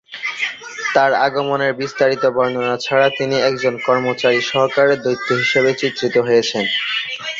তার আগমনের বিস্তারিত বর্ণনা ছাড়া তিনি একজন কর্মচারী সহকারে দৈত্য হিসেবে চিত্রিত হয়েছেন।